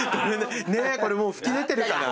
ねえこれもう噴き出てるかな。